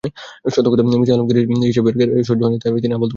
সত্য কথা মির্জা আলমগীর সাহেবের গায়ে সহ্য হয়নি বলে তিনি আবোল-তাবোল বকেছেন।